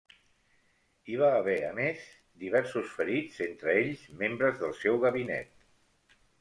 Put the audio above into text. Hi va haver a més diversos ferits, entre ells membres del seu gabinet.